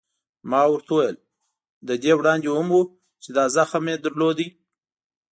ما ورته وویل: له دې وړاندې هم و، چې دا زخم در درلود؟